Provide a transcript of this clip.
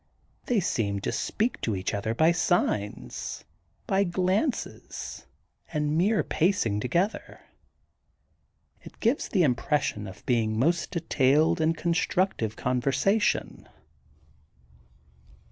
They seem to speak to each other by signs, by glances, and mere pacing together. It gives the im pression of being most detailed and construc tive conversation.